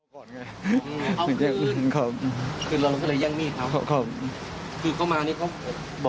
ก่อนก่อนก็